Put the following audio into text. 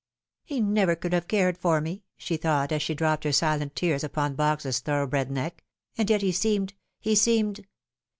" He never could have cared for me," she thought, as she dropped her silent tears upon Box's thoroughbred neck, " and yet he seemed he seemed